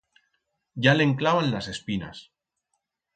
Ya le'n clavan las espinas.